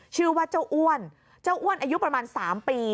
ชื่อว่าเจ้าอ้วนอายุประมาณ๓ปี